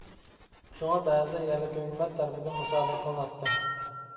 شۇڭا بەزىدە يەرلىك ھۆكۈمەت تەرىپىدىن مۇسادىرە قىلىناتتى.